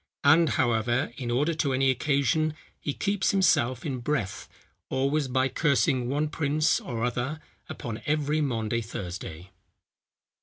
And, however, in order to any occasion he keeps himself in breath, always by cursing one prince or other upon every Maundy Thursday."